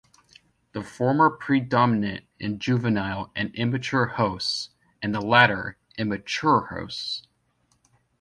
The former predominate in juvenile and immature hosts, and the latter in mature hosts.